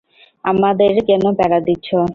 আমাদের কেন প্যারা দিচ্ছো?